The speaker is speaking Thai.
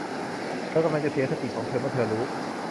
เธอกำลังจะเสียสติของเธอเมื่อเธอรู้